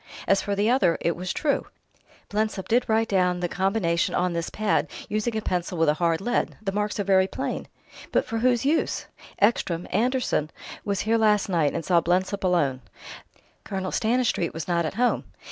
As for the other, it was true: Blensop did write down the combination on this pad, using a pencil with a hard lead; the marks are very plain." "But for whose use?" "Ekstrom Anderson was here last night, and saw Blensop alone. Colonel Stanistreet was not at home.